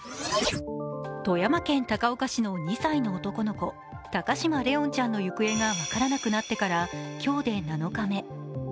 富山県高岡市の２歳の男の子、高嶋怜音ちゃんの行方が分からなくなってから今日で７日目。